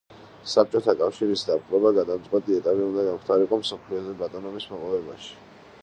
საბჭოთა კავშირის დაპყრობა გადამწყვეტი ეტაპი უნდა გამხდარიყო მსოფლიოზე ბატონობის მოპოვებაში.